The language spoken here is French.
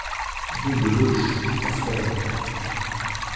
Rue de L'Auche à Serres